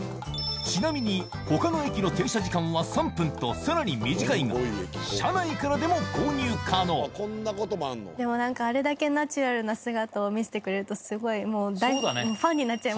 ちなみに他の駅の停車時間は３分とさらに短いが車内からでも購入可能でもあれだけ。を見せてくれると。